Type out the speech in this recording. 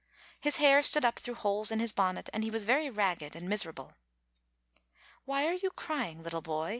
His hair stood up through holes in his bonnet, and he was very ragged and miserable. "Why are you crying, little boy?"